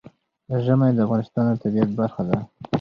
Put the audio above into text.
ژمی د افغانستان د طبیعت برخه ده.